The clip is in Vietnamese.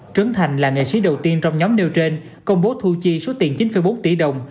trấn thành là nghệ sĩ đầu tiên trong nhóm nêu trên công bố thu chi số tiền chín bốn tỷ đồng